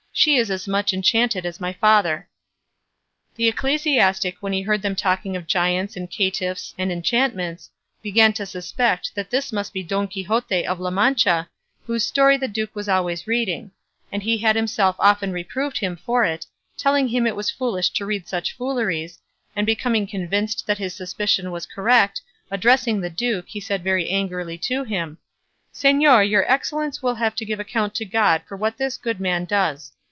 She is as much enchanted as my father." The ecclesiastic, when he heard them talking of giants and caitiffs and enchantments, began to suspect that this must be Don Quixote of La Mancha, whose story the duke was always reading; and he had himself often reproved him for it, telling him it was foolish to read such fooleries; and becoming convinced that his suspicion was correct, addressing the duke, he said very angrily to him, "Señor, your excellence will have to give account to God for what this good man does.